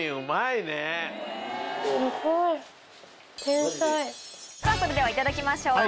それではいただきましょう。